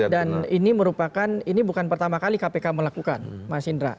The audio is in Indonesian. ini merupakan ini bukan pertama kali kpk melakukan mas indra